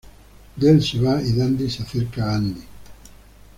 Dell se va y Dandy se acerca a Andy.